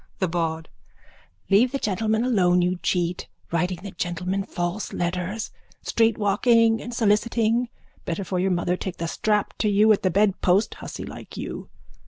THE BAWD: Leave the gentleman alone, you cheat. Writing the gentleman false letters. Streetwalking and soliciting. Better for your mother take the strap to you at the bedpost, hussy like you.